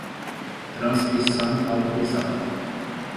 Transcrição autorizada